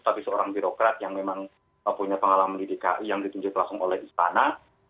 tapi seorang birokrat yang memang punya pengalaman di dki yang ditunjuk langsung oleh istana